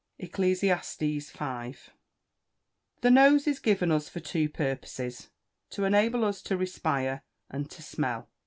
ECCLESIASTES V.] The nose is given us for two purposes to enable us to respire and to smell.